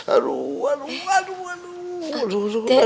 aduh aduh aduh aduh